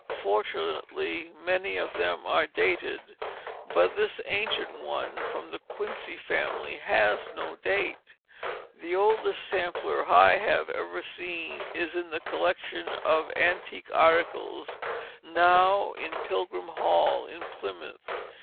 Fortunately, many of them are dated, but this ancient one from the Quincy family has no date. The oldest sampler I have ever seen is in the collection of antique articles now in Pilgrim Hall at Plymouth.